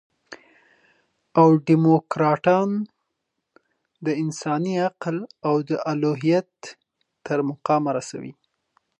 او ډيموکراټان د انساني عقل او د الوهیت تر مقامه رسوي.